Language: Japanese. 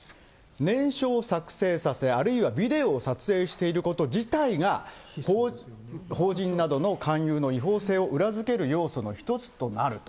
念書を作成させ、あるいはビデオを撮影していること自体が、法人などの勧誘の違法性を裏付ける要素の一つとなると。